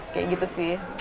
kayak gitu sih